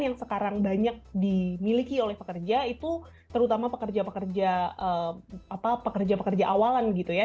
yang sekarang banyak dimiliki oleh pekerja itu terutama pekerja pekerja pekerja awalan gitu ya